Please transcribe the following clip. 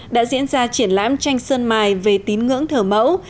đã diễn ra triển lãm tranh sơn mài về tín ngưỡng thờ mẫu